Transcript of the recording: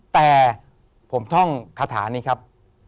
แต่ผมท่องคาถานี้ครับ